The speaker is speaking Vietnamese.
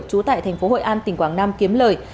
trú tại thành phố hội an tỉnh quảng nam kiếm lời